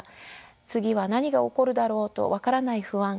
次は何が起こるだろうと分からない不安。